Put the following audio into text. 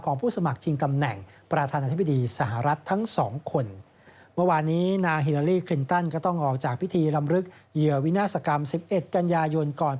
ของผู้สมัครจีงตำแหน่งประธานธ์เหพีดีสหรัฐทั้ง๒คน